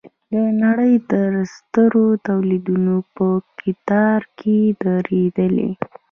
د نړۍ د سترو تولیدوونکو په کتار کې دریدلي.